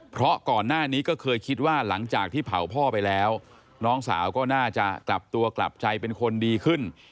เพราะก่อนหน้านี้ก็เคยคิดว่าหลังจากที่เผาพ่อไปแล้วน้องสาวก็น่าจะกลับตัวกลับใจเป็นคนดีขึ้น